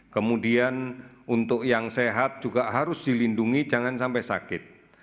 kemudian untuk yang sehat juga harus dilindungi jangan sampai sakit